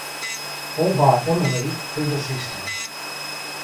All bar Emily predeceased him.